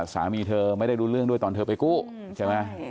สามีเธอไม่ได้รู้เรื่องด้วยตอนเธอไปกู้ใช่ไหม